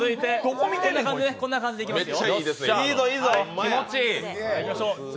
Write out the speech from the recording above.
こんな感じでいきますよ。